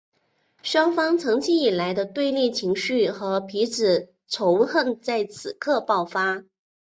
双方长期以来的对立情绪和彼此仇恨在此刻爆发。